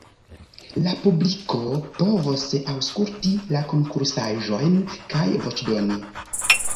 La publiko povos aŭskulti la konkursaĵojn kaj voĉdoni.